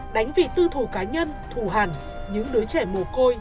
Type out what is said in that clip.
đánh vì tư thù cá nhân thù hẳn những đứa trẻ mồ côi